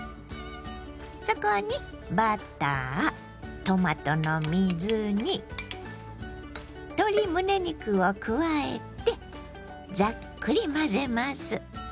そこにバタートマトの水煮鶏むね肉を加えてざっくり混ぜます。